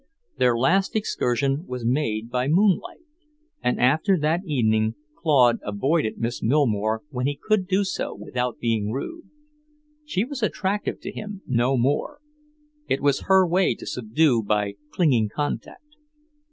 Their last excursion was made by moonlight, and after that evening Claude avoided Miss Millmore when he could do so without being rude. She was attractive to him no more. It was her way to subdue by clinging contact.